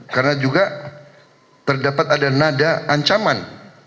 karena juga terdapat ada nada ancaman